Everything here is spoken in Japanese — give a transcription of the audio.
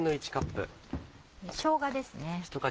しょうがですね